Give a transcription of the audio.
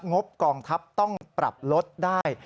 งบกองทัพต้องปรับลดได้